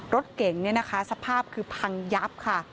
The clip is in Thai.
รถเก่งเซสภาพคือพังยับค่ะ